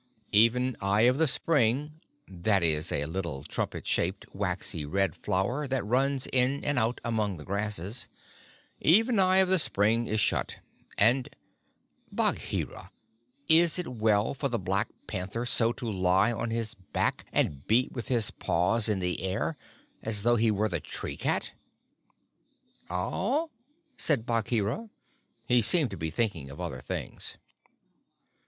"Even Eye of the Spring [that is a little trumpet shaped, waxy red flower that runs in and out among the grasses] even Eye of the Spring is shut, and ... Bagheera, is it well for the Black Panther so to lie on his back and beat with his paws in the air, as though he were the tree cat?" "Aowh?" said Bagheera. He seemed to be thinking of other things.